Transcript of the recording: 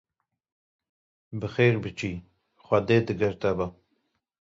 Bi xêr biçî xwedê digel te be